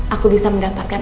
aku bisa mendapatkan